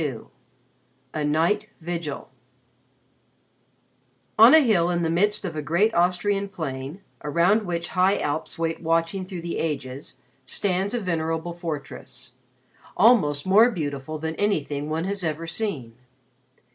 XXII THE NIGHT VIGIL On a hill in the midst of a great Austrian plain, around which high Alps wait watching through the ages, stands a venerable fortress, almost more beautiful than anything one has ever seen.